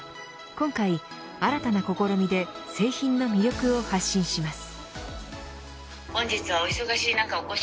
今回、新たな試みで製品の魅力を発信します。